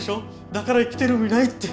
だから生きてる意味ないって。